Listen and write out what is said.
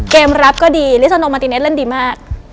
เกมรับก็ดีลิซาโนมาติเนสเล่นดีมาก